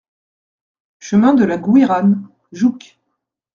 Chemin de la Gouiranne, Jouques